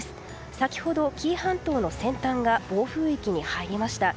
先ほど紀伊半島の先端が暴風域に入りました。